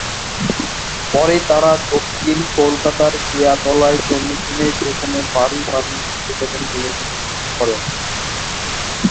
পরে তারা দক্ষিণ কলকাতার কেয়াতলায় জমি কিনে সেখানে বাড়ি বানিয়ে চলে যাবেন বলে মনস্থির করেন।